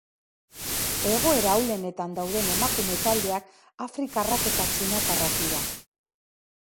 Egoera ahulenetan dauden emakume taldeak afrikarrak eta txinatarrak dira.